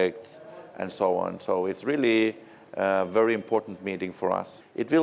chúng tôi sẽ gặp quý vị của quý vị của hà nội